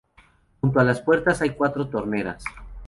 Junto a las puertas hay cuatro troneras.